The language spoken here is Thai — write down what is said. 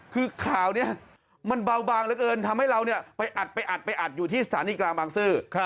คือข่าวนี้มันเบาบางเหลือเกินทำให้เราไปอัดไปอัดไปอัดอยู่ที่สถานีกลางบางซื่อ